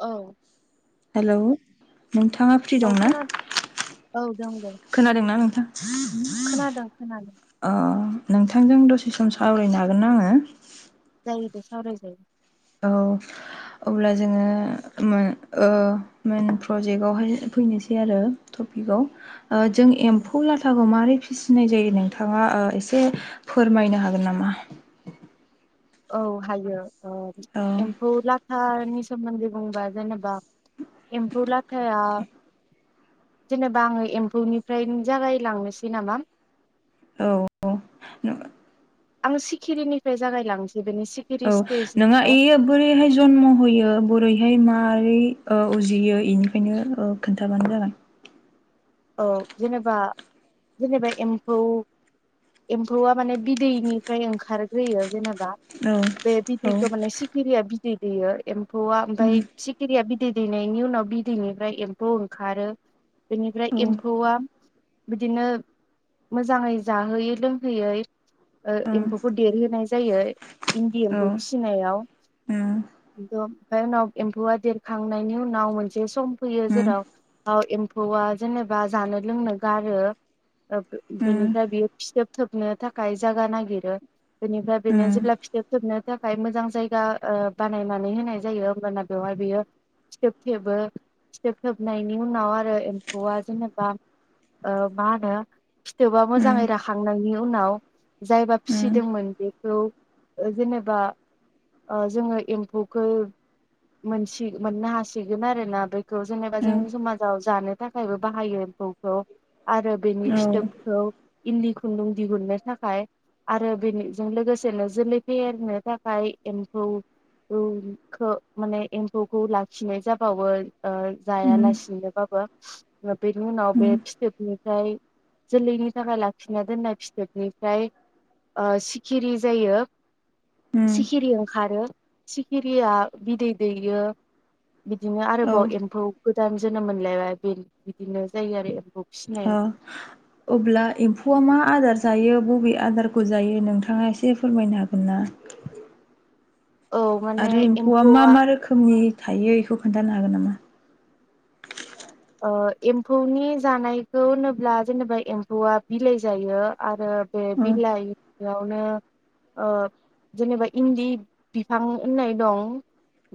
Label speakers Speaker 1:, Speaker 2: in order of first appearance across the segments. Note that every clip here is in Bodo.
Speaker 1: औ
Speaker 2: हेलौ नोंथाङा फ्रि
Speaker 1: औ
Speaker 2: दंना?
Speaker 1: खोना औ दं दे
Speaker 2: खोनादोंना नोंथां
Speaker 1: खोनादों खोनादों
Speaker 2: अ नोंथांजों दसे सम सावरायनो हागोन आङो?
Speaker 1: जायो दे सावराय जायो।
Speaker 2: औ। अब्ला जोङो ओ मेन प्रजेक्टआवहाय फैनोसै आरो। जों
Speaker 1: उम।
Speaker 2: एम्फौ लाथाखौ मारै फिसिनाय जायो नोंथाङा एसे फोरमायनो हागोन नामा?
Speaker 1: औ हायो ओ
Speaker 2: औ
Speaker 1: एम्फौ लाथानि सोमोन्दै बुंबा जेनेबा एम्फौ लाथाया जेनेबा आङो एम्फौनिफ्रायनो जागायलांनोसै नामा?
Speaker 2: औ नों-
Speaker 1: आं सिखिरिनिफ्राय जागायलांनोसै बेनि सिखिरि
Speaker 2: औ नोंङहा
Speaker 1: स्टेजनिफ्राय
Speaker 2: एयो बोरैहाय जन्म होयो बोरैहाय ै उजियो इनिफ्रायनो ओ खोन्थाबानो जागोन।
Speaker 1: औ जेनेबा जेनेबा एम्फौ एम्फौआ माने बिदैनिफ्राय ओंखारग्रोयो जेनेबा बे
Speaker 2: औ औ
Speaker 1: बिदैखौ माने सिखिरिया बिदै दैयो एम्फौआ
Speaker 2: उम
Speaker 1: ओमफ्राय सिखिरिया बिदै बिद दै दैनायनि उनाव बिदैनिफ्राय एम्फौ ओंखारो बेनिफ्राय
Speaker 2: औ
Speaker 1: एम्फौआ बिदिनो मोजाङै जाहोयै लोंहोयै ओ एम्फौखौ देरहोनाय जायो। इन्दि एम्फौ फिसिनायाव
Speaker 2: ओ
Speaker 1: ओमफ्राय उनाव एम्फौआ देरखांनायनि उनाव मोनसे सम फैयो जेराव एम्फौआ जेनेबा जानो लोंनो गारो। ओ बेनिफ्राय बियो फिथोब थोबनो थाखाय जागा नागिरो। बेनिफ्राय बेनो जेब्ला फिथोब थोबनो थाखाय मोजां जायगा ओ बानायनानै होनाय जायो होमबाना बेवहाय बेयो फिथोब थोबो फिथोब थोबनायनि उनाव आरो एम फौआ जेनेबा ओ मा होनो फिथोबा मोजाङै राखांनायनि उनाव जायबा फिसिदोंमोन बेखौ ओ जेनेबा ओ जोङो एम्फौखौ मोनसि मोननो हासिगोन आरोना बे खौ जेनेबा जोंनि समाजाव जानो थाखायबो बाहायो एम्फौखौ। आरो बेनि फिथोबखौ इन्दि खुन्दुं दिहुननो थाखाय आरो बेनिजों लोगोसेनो जोलै फेहेरनो थाखाय एम्फौ माने एम्फौखौ लाखिनाय जाबावो ओ जायालासिनोबाबो बेनि उनाव बे फिथोब नि ओमफ्राय जोलैनि थाखाय लाखिना दोननाय फिथोबनिफ्राय ओ सिखिरि जायो। सिखिरि ओंखारो सिखिरिया बिदै दैयो। बिदिनो आरोबाव एम्फौ गोदान जोनोम मोनलायबाय बिदिनो जायो आरो एम्फौ फिसिनाया
Speaker 2: ओ अब्ला एम्फौआ मा आदार जायो बबे आदारखौ जायो नोंथाङा एसे फोरमायनो हागोन ना।
Speaker 1: औ माने
Speaker 2: आरो एम्फौआ मा मा रोखोमनि थायो बेखौ खोन्थानो हागोन नामा?
Speaker 1: अ एम्फौनि जानायखौ होनोब्ला जेनेबा एम्फौआ बिलाइ जायो आरो बे
Speaker 2: औ
Speaker 1: बिलाय बेयावनो ओ जेनेबा इन्दि बिफां होननाय दं।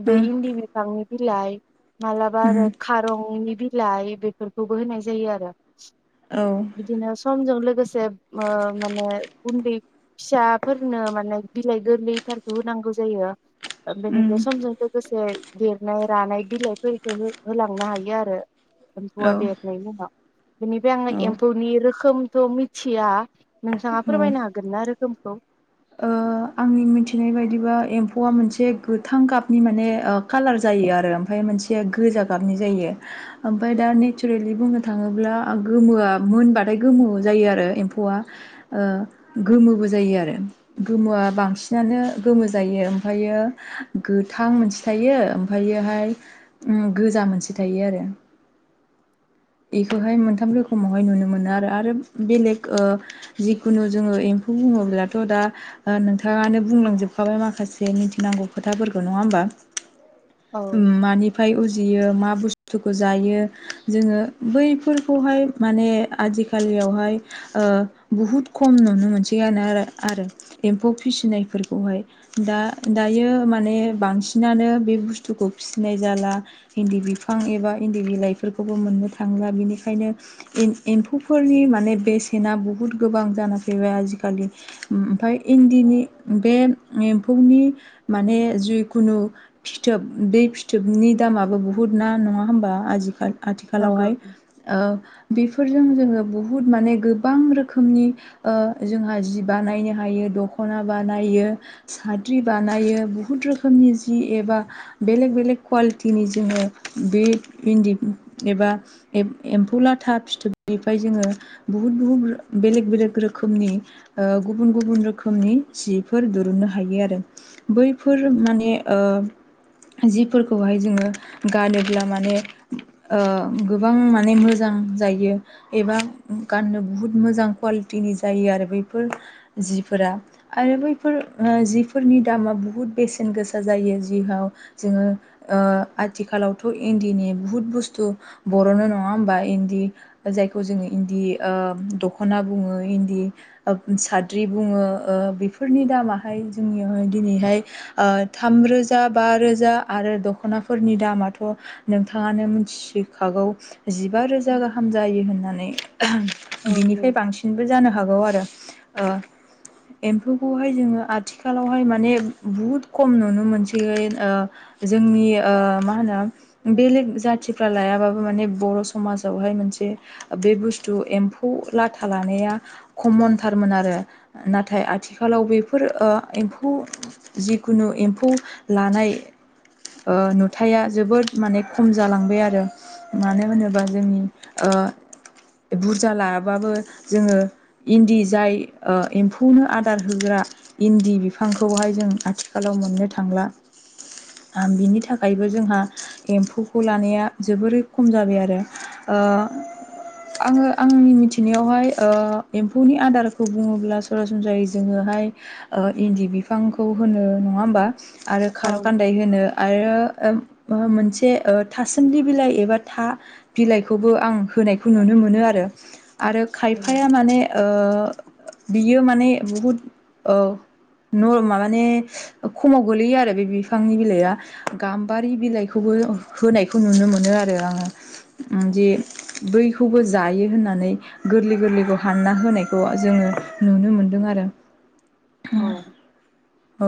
Speaker 1: बे इन्दि बिफांनि बिलाइ मालाबा आरो खारंनि बिलाइ। बिलाइ बेफोरखौबो होनाय जायो आरो ।
Speaker 2: औ।
Speaker 1: समजों लोगोसे ओ माने उन्दै फिसाफोरनो माने बिलाइ गोरलै थारखौ होनांगौ जायो। बेनिफ्राय समजों लोगोसे देरनाय रानाय बिलाइफोरफोरखौ होलांनो हायो आरो एमफैआ देरनायनि उनाव। बेनिफ्राय
Speaker 2: औ
Speaker 1: आं
Speaker 2: औ
Speaker 1: एम्फौनि रोखोमथ' मिथिया नोंथाङा
Speaker 2: औ
Speaker 1: फोरमायनो हागोन ना रोखोमखौ ।
Speaker 2: ओ आंनि मिथिनाय बायदिबा एम्फौआ मोनसे गोथां गाबनि माने कालार जायो आरो ओमफ्राय मोनसे गोजा गाबनि जायो ओमफ्राय दा नेचारेलि बुंनो थाङोब्ला गोमोआ मोनबाथाय। गोमो जायो आरो एम्फौआ गोमोबो जायो आरो गोमोआ बांसिन बियानो गोमो जायो ओमफ्रायो गोथां मोनसे थायो ओमफ्रायोहाय गोजा मोनसे थायो आरो बेखौहाय मोनथाम रोखोमावहाय नुनो मोनो आरो आरो बेलेग जिखुनु जोङो एम फौ बेखौ बुङोब्लाथ' दा नोंथाङानो बुंलांजोबखाबाय माखासे मिथिनांगौ खोथाफोरखौ नङा होमबा।
Speaker 1: औ
Speaker 2: मानिफ्राय उजियो मा बुस्थुखौ जायो जोङो बैफोरखौहाय माने आजिखालियावहाय ओ बुहुद खम नुनो मोनसै। आरो एम्फौ फिसिनायफोरखौहाय दायो माने बांसिन नानो बे बुस्थुखौ फिसिनाय जाला इन्दि बिफां एबा इन्दि बिलाइफोरखौबो मोननो थांला बेनिखायनो एम्फौफोरनि माने बेसेना बहुद गोबां जाना फैबाय आजि खालि ओमफ्राय इन्दिनि बे एम्फौनि माने जिखुनु फिथोब बे फिथोबनि दामाबो बुहुद ना नङा होमबा आजिखाल।
Speaker 1: नंगौ
Speaker 2: आथिखालावहाय ओ बे फोरजों जोङो बुहुत माने गोबां रोखोमनि ओ जोंहा जि बानायनो हायो दख खना बानायो साद्रि बानायो बुहुद रोखोमनि जि एबा बेलेग बेलेक कुवालिटिनि जोङो बे इन्दि एबा एम्फौ लाथा फिथोबनिफ्राय जोङो बुहुद बुहुद बेलेग बेलेग रोखोमनि ओ गुबुन गुबुन रोखोमनि जिफोर दिरुननो हायो आरो बैफोर माने ओ ओ जिफोरखौहाय जोङो गानोब्ला माने ओ गोबां माने मोजां जायो एबा गाननो बुहुत मोजां कुवालिटिनि जायो आरो बैफोर जिफोरा आरो बैफोर जिफोरनि दामा बुहुत बेसेन गोसा जा जायो जिहाव जोङो ओ आथिखालावथ' इन्दिनि बुहुत बुस्थु बर'नो नङा होमबा इन्दि जायखौ जोङो इन्दि ओ दख'ना बुङो इन्दि साद्रि बुङो ओ बेफोरनि दामाहाय जोंनियावहाय दिनैहाय ओ थामरोजा बा रोजा आरो दख'नाफोरनि दामाथ' नोंथाङानो मिथिसि खागौ जिबा रोजा गाहाम जायो होननानै ।
Speaker 1: औ
Speaker 2: बिनिफ्राय
Speaker 1: नंगौ
Speaker 2: बांसिनबो जानो हागौ आरो ओ एम्फौखौहाय जोङो आथिखालावहाय माने बुहुद खम नुनो मोनसै ओ जोंनि ओ मा होनो बेलेग जातिफ्रा लाया बाबो माने बर' समाजावहाय मोनसे बे बुस्थु एम्फौ लाथा लानाया खमनथारमोन आरो नाथाय आथिखालाव बेफोर ओ एम्फौ जिखुनु एम्फौ लानाय ओ नुथाया जोबोद माने खम जालांबाय आरो । मानो होनोबा जोंनि ओ बुरजा लाबाबो जोङो इन्दि जाय एम्फौनो आदार होग्रा इन्दि बिफांखौहाय जों आथिखालाव मोननो थांला । ओ बिनि थाखायबो जोंहा एम्फौखौ लानाया जोबोरै खम जाबाय आरो ओ आंङो आंनि मिथिनायावहाय ओ एम्फौनि आदारखौ बुङोब्ला सरासनस्रायै जोङो हाय ओ इन्दि बिफांखौ होनो नङा होमबा? आरो
Speaker 1: औ
Speaker 2: खार' गान्दाय होनो आरो मोनसे थास थासोनदि बिलाइ एबा था बिलाइखौबो आं होनायखौ नुनो मोनो आरो । आरो खायफाया माने ओ बियो माने बहुद ओ न माने खमाव गोलैयो आरो बे बिफांनि बिलाइआ गाम्बारि बिलाइखौबो होनायखौ खौ नुनो मोनो आरो आंङो जे बैखौबो जायो होननानै गोरलै गोरलै खौ हानना होनायखौ जोङो नुनो मोनदों आरो । औ ।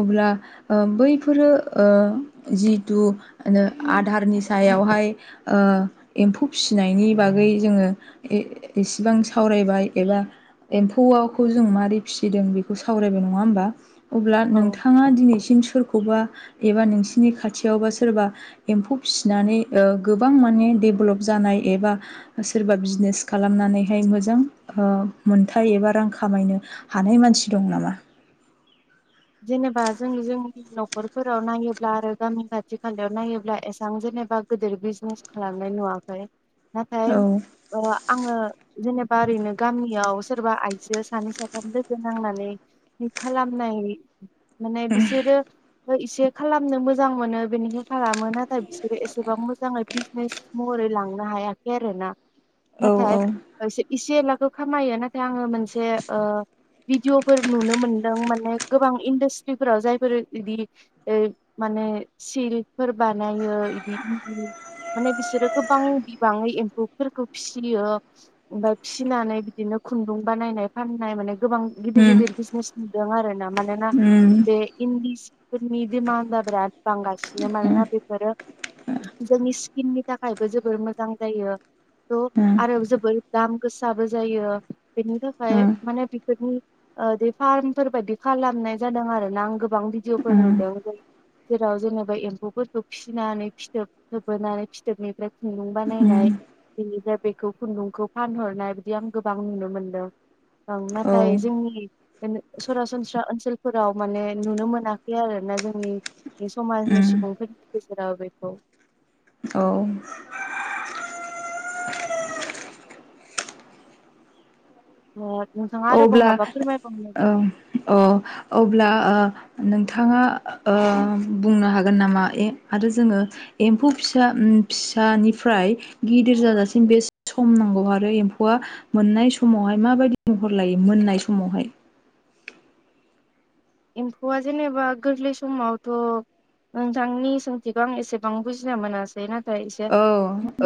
Speaker 2: अब्ला ओ बैफोरो ओ जिहेथु आदारनि सायावहाय एम्फौ फिसिनायनि बागै जोङो इसेबां सावरायबाय एबा एम्फौखौ जों माबारै फिसिदों बेखौ सावरायबाय नङा होमबा? अब्ला
Speaker 1: औ
Speaker 2: नोंथाङा दिनैसिम सोरखौबा एबा नोंसिनि खाथियावबा सोरबा एम्फौ फिसिनानै गोबां माने डेभेलप जानाय एबा सोरबा बिजनेस खालाम खालामनानैहाय मोजां ओ मोनथाय एबा रां खामायनो हानाय मानसि दं नामा? [inaudible]
Speaker 1: जेनेबा जों जोंनि न'खरफोराव नायोब्ला आरो गामि खाथि खालायाव नायोब्ला एसां जेनेबा बा गिदिर बिजनेस खालामनाय नुवाखै । नाथाय
Speaker 2: औ
Speaker 1: ओ आंङो जेनेबा ओरैनो गामियाव सोरबा आइजो सानै साथाम लोगो नांनानै खालामनाय माने बिसोरो इसे खालामनो मोजां मोनो बेनिखाय खालामो नाथाय बिसोरो एसेबां मोजाङै बिजनेस महरै लांनो हायाखै आरोना
Speaker 2: औ
Speaker 1: नाथाय
Speaker 2: औ
Speaker 1: इसे एलाबो खामायो नाथाय आंङो मोनसे ओ भिडिअफोर नुनो मोनदों माने गोबां इन्डास्ट्रिफोराव जायफोर बिदि माने सिल्पफोर बानायो बिदि माने बिसोरो गोबां बिबाङै एम्फौफोरखौ फिसियो ओमफ्राय फिसिनानै बिदिनो खुन्दुं बानायनाय फाननाय माने गोबां गिदिर
Speaker 2: उम
Speaker 1: गिदिर बिजनेस नुदों आरोना मानोना
Speaker 2: उम
Speaker 1: बे सिफोरनि [unintelligible] बिराद बांगासिनो
Speaker 2: उम
Speaker 1: मानोना बेफोरो जोंनि स्किननि थाखायबो जोबोर मोजां जायो थ'
Speaker 2: उम
Speaker 1: आरो जोबोर दाम गोसाबो जायो बेनि थाखाय
Speaker 2: उम
Speaker 1: माने बिफोरनि बे फार्मफोर बायदि खालामनाय जादों आरो ना आं गोबां
Speaker 2: उम
Speaker 1: भिडिअफोर नुदों। जेरै जेराव जेनेबा एम्फौफोरखौ फिसिनानै फिथोब थोबोनानै फिथोबनिफ्राय खुन्दुं
Speaker 2: उम
Speaker 1: बानायनाय बेनिफ्राय बेखौ खुन्दुंखौ फानहरनाय बिदि आं गोबां नुनो मोनदों। ओं
Speaker 2: औ
Speaker 1: नाथाय जोंनि सरासनस्रा ओनसोलफोराव माने नुनो मोनाखै आरो ना जोंनि बे समाजनि
Speaker 2: उम
Speaker 1: सुबुंफोरनि गेजेराव बेखौ
Speaker 2: औ।
Speaker 1: म [unintelligible]
Speaker 2: अब्ला ओ अ अब्ला ओ नोंथाङा ओ बुंनो हागोन नामा ए आरो जोङो एम्फौ फिसा फिसानिफ्राय गिदिर जाजासिम बेसे सम नांगौ आरो एम्फौआ मोननाय समाव समावहाय माबायदि महर लायो मोननाय समावहाय?
Speaker 1: एम्फौआ जेनेबा गोरलै समावथ' नोंथांनि सोंथिखौ आं एसेबां बुजिनो मोनासै नाथाय एसे
Speaker 2: औ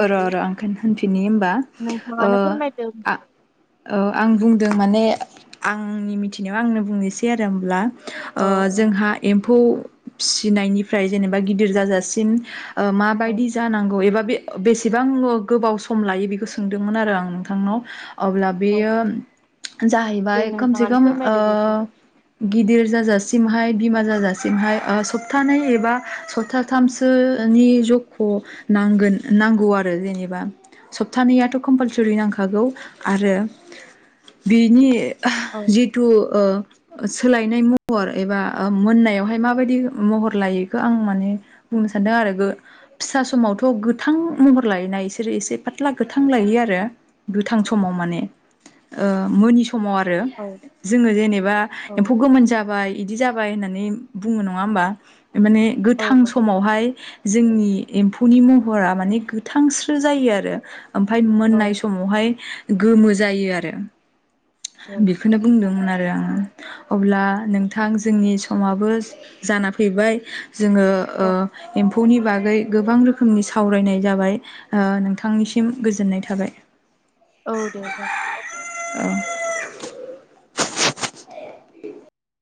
Speaker 2: र र आं होनफिननि हमबा ओ
Speaker 1: नोंथाङानो फोरमायदो
Speaker 2: आं औ आं बुंदों माने आंनि मिथिनायाव आंनो बुंनोसै आरो हमब्ला
Speaker 1: औ औ
Speaker 2: जोंहा एम्फौ फिसिनायनिफ्राय जेनेबा गिदिर जाजासिम ओ
Speaker 1: औ
Speaker 2: माबायदि जानांगौ एबा बे बेसेबां गोबाव सम लायो बेखौ सोंदोंमोन आरो आं नोंथांनाव? अब्ला
Speaker 1: औ
Speaker 2: बेयो
Speaker 1: दे
Speaker 2: जाहैबाय खमसे
Speaker 1: नोंथाङानो
Speaker 2: खम ओ
Speaker 1: फोरमायदो बेखौ
Speaker 2: गिदिर जाजासिमहाय बिमा जाजासिमहाय सप्थानै एबा सप्थाथामसो नि जख' नांगोन नांगौ आरो जेनेबा। सप्तानैयाथ' कम्पालसरि नांखागौ आरो बिनि
Speaker 1: औ
Speaker 2: जिथु ओ सोलायनाय महर एबा मोननायावहाय माबायदि महर लायोखो आं माने बुं [unintelligible] फिसा समावथ' गोथां महर लायोना इसोरो एसे फाथ्ला गोथां लायो आरो गोथां समाव माने ओ मोनि समाव आरो
Speaker 1: औ
Speaker 2: जोङो जेनेबा
Speaker 1: औ
Speaker 2: एम्फौ गोमोन जाबाय इदि जाबाय जाबाय होननानै बुङो नङा होमबा? माने
Speaker 1: औ
Speaker 2: गोथां समावहाय जोंनि एम्फौनि महरा माने गोथांस्रो जायो आरो ओमफ्राय मोननाय
Speaker 1: औ
Speaker 2: समावहाय गोमो जायो आरो
Speaker 1: औ
Speaker 2: बेखौनो बुंदोंमोन आरो आरो आङो अब्ला नोंथां जोंनि समाबो जाना फैबाय जोङो ओ
Speaker 1: औ
Speaker 2: एम्फौ [unintelligible] बागै गोबां रोखोमनि सावरायनाय जाबाय नोंथांनिसिम गोजोननाय थाबाय।
Speaker 1: औ दे जागोन
Speaker 2: [unintelligible]